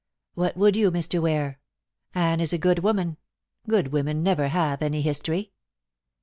"What would you, Mr. Ware? Anne is a good woman. Good women never have any history."